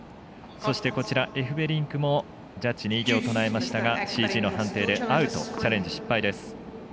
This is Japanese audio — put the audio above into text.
そして、エフベリンクもジャッジに異議を唱えましたがＣＧの判定でアウト、チャレンジ失敗です。